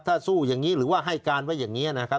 ถ้าสู้อย่างนี้หรือว่าให้การไว้อย่างนี้นะครับ